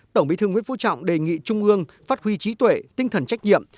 tổng bí thư nguyễn phú trọng đề nghị trung ương phát huy trí tuệ tinh thần trách nhiệm